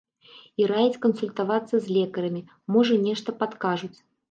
І раяць кансультавацца з лекарамі, можа, нешта падкажуць.